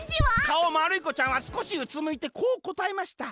「かおまるいこちゃんはすこしうつむいてこうこたえました。